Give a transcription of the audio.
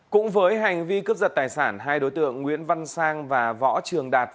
cũng với hành vi cướp giật tài sản hai đối tượng nguyễn văn sang và võ trường đạt